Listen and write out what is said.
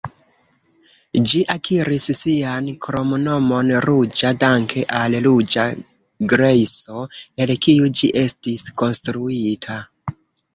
Ĝi akiris sian kromnomon "ruĝa" danke al ruĝa grejso, el kiu ĝi estis konstruita.